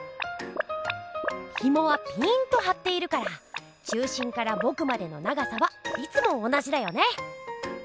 ひもはピーンとはっているから中心からぼくまでの長さはいつも同じだよね。